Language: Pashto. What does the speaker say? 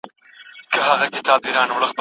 چارواکي بايد د اقتصاد له حقيقت څخه خبر وي.